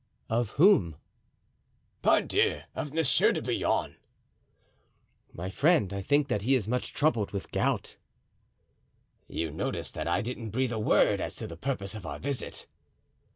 "Of whom?" "Pardieu! of Monsieur de Bouillon." "My friend, I think that he is much troubled with gout." "You noticed that I didn't breathe a word as to the purpose of our visit?"